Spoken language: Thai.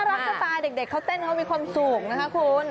น่ารักสปาดเด็กเขาเต้นเขามีความสูงนะครับคุณ